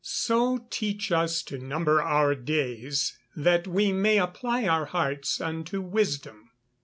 [Verse: "So teach us to number our days, that we may apply our hearts unto wisdom."